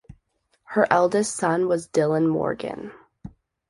Her eldest son was Dylan Morgan.